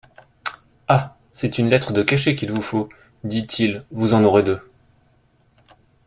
Ah ! c'est une lettre de cachet qu'il vous faut ! dit-il, vous en aurez deux.